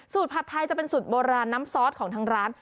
ผัดไทยจะเป็นสูตรโบราณน้ำซอสของทางร้าน